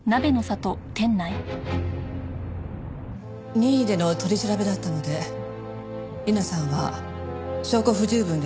任意での取り調べだったので理奈さんは証拠不十分で帰しました。